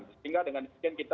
sehingga dengan dipercayai kita